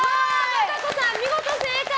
和歌子さん、見事正解！